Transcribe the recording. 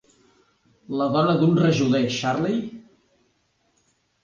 La dona d'un rajoler, Charley?